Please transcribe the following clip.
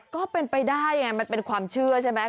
ก็เป็นไปได้ไงมันเป็นความเชื่อใช่ไหม